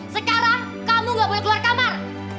sekarang kamu gak boleh keluar kamar